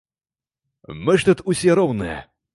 Мы ж тут усе роўныя!